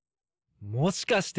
もしかして。